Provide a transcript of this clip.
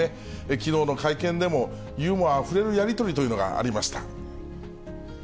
きのうの会見でも、ユーモアあふれるやり取りというのがありました。